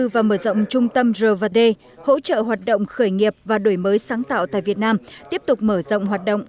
và mở rộng trung tâm r d hỗ trợ hoạt động khởi nghiệp và đổi mới sáng tạo tại việt nam tiếp tục mở rộng hoạt động